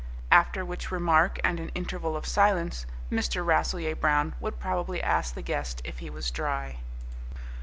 After which remark and an interval of silence, Mr. Rasselyer Brown would probably ask the guest if he was dry.